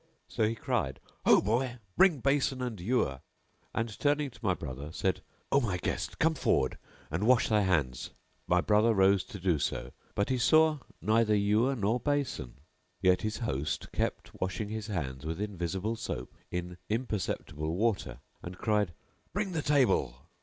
So he cried, "Ho boy! bring basin and ewer;" and, turning to my brother, said, "O my guest come forward and wash thy hands." My brother rose to do so but he saw neither ewer nor basin; yet his host kept washing his hands with invisible soap in imperceptible water and cried, "Bring the table!"